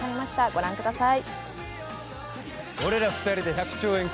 ご覧ください。